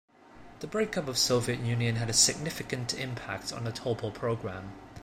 The breakup of the Soviet Union had a significant impact on the Topol program.